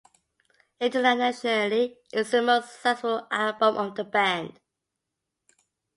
Internationally, it's the most successful album of the band.